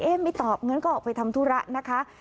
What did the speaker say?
ไม่ตอบงั้นก็ออกไปทำธุระนะคะ